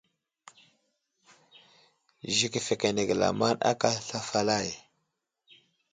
Zik afəkenege lamaŋd aka asla falay.